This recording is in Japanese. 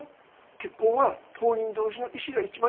結婚は当人同士の意思が一番重要さ。